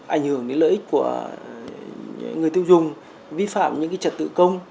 ảnh hưởng đến lợi ích của người tiêu dùng vi phạm những trật tự công